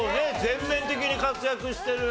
全面的に活躍してる。